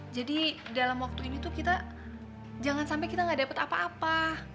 jadi dalam waktu ini tuh kita jangan sampai kita gak dapet apa apa